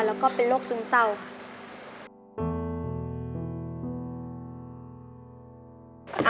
แล้วก็เป็นโรคซึมเศร้าค่ะ